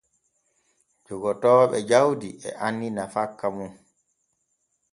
Jogotooɓe jawdi e anni nafakka mum.